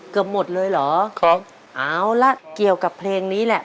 เกือบหมดเลยเหรอครับเอาละเกี่ยวกับเพลงนี้แหละ